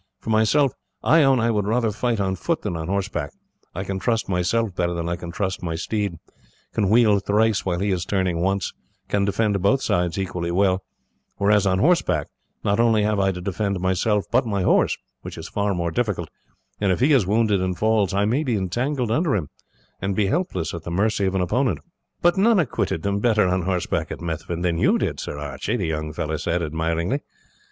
For myself, I own I would rather fight on foot than on horseback; I can trust myself better than I can trust my steed, can wheel thrice while he is turning once, can defend both sides equally well; whereas on horseback, not only have I to defend myself but my horse, which is far more difficult, and if he is wounded and falls I may be entangled under him and be helpless at the mercy of an opponent." "But none acquitted them better on horseback at Methven than you did, Sir Archie," the young fellow said, admiringly.